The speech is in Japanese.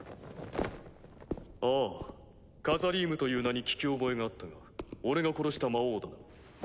ああカザリームという名に聞き覚えがあったが俺が殺した魔王だな。